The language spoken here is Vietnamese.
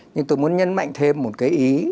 nhưng tôi muốn nhấn mạnh thêm một cái ý